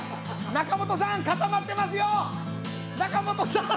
中本さん固まってますよ！」。